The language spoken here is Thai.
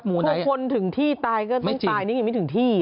ทุกคนถึงที่ตายก็ต้องตายนี่ไงไม่ถึงที่